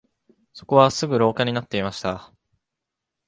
そこはすぐ廊下になっていました